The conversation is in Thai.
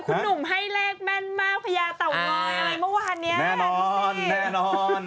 คุณหนุ่มให้แรกแม่นมากพระยาเต่าน้อยเมื่อวานแน่นนี่สิแน่นอนแน่นอน